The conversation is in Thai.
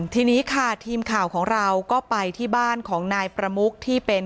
ทีนี้ค่ะทีมข่าวของเราก็ไปที่บ้านของนายประมุกที่เป็น